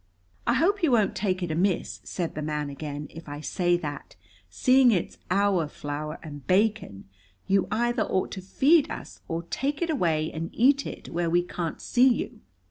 "I hope you won't take it amiss," said the man again, "if I say that, seeing it's our flour and bacon, you either ought to feed us or take it away and eat it where we can't see you."